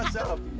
nanti dibawa kabur